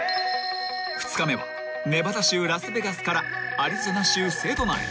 ［２日目はネバダ州ラスベガスからアリゾナ州セドナへ］